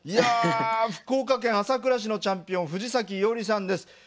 福岡県朝倉市のチャンピオン藤伊織さんです。